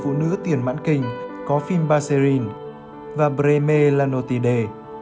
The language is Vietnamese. phụ nữ tiền mãn kinh có phimbaserin và bremerlanotide